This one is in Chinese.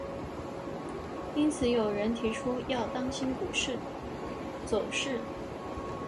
因此有人提出要当心股市走势。